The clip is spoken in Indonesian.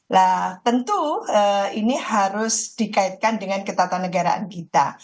nah tentu ini harus dikaitkan dengan ketatanegaraan kita